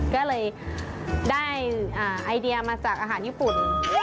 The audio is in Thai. ก็เลยได้ไอเดียมาจากอาหารญี่ปุ่น